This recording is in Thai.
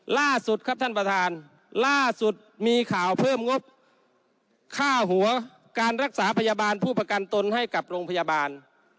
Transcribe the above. ล่าสุดครับท่านประธานล่าสุดมีข่าวเพิ่มงบค่าหัวการรักษาพยาบาลผู้ประกันตนให้กับโรงพยาบาล